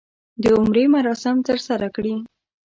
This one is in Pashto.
د عمرې مراسم ترسره کړي.